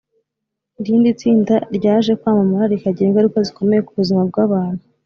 irindi tsinda ryaje kwamamara rikagira ingaruka zikomeye ku buzima bw’abantu